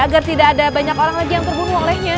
agar tidak ada banyak orang lagi yang terbunuh olehnya